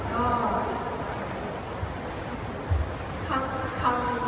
ขอบคุณครับ